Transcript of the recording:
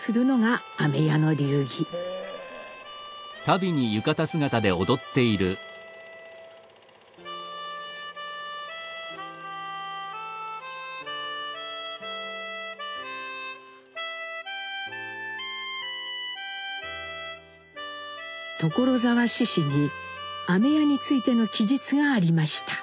「所沢市史」に飴屋についての記述がありました。